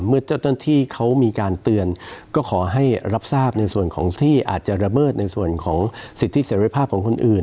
เมื่อเจ้าหน้าที่เขามีการเตือนก็ขอให้รับทราบในส่วนของที่อาจจะระเบิดในส่วนของสิทธิเสร็จภาพของคนอื่น